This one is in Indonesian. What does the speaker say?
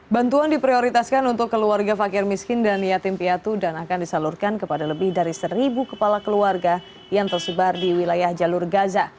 bantuan diprioritaskan untuk keluarga fakir miskin dan yatim piatu dan akan disalurkan kepada lebih dari seribu kepala keluarga yang tersebar di wilayah jalur gaza